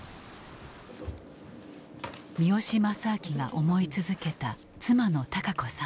三好正顕が思い続けた妻の孝子さん。